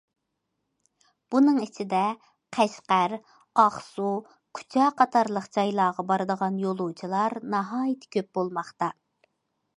بۇنىڭ ئىچىدە، قەشقەر، ئاقسۇ، كۇچا قاتارلىق جايلارغا بارىدىغان يولۇچىلار ناھايىتى كۆپ بولماقتا.